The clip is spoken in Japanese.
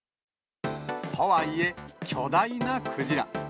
とはいえ、巨大なクジラ。